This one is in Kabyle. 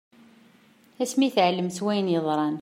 Asmi i teɛllem s wayen yeḍran.